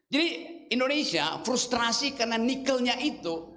jadi indonesia frustrasi karena nikelnya itu